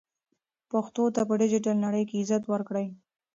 پښتو ته په ډیجیټل نړۍ کې عزت ورکړئ.